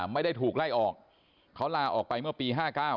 ไม่ได้ถูกไล่ออกเขาลาออกไปเมื่อปี๕๙